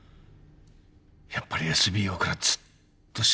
やっぱりＳＢＯからずっと閉まってたんだ。